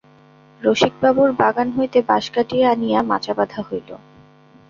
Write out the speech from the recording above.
রসিকবাবুর বাগান হইতে বাঁশ কাটিয়া আনিয়া মাচা বাধা হইল।